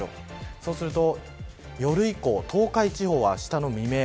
そうすると夜以降東海地方はあしたの未明。